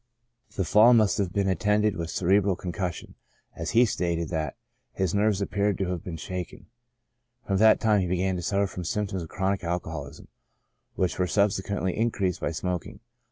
The fall must have been attended with cerebral concussion, as he stated that " his nerves appeared to have been shaken." From that time he began to suffer from symptoms of chronic alcoholism, which were subsequently increased by smoking.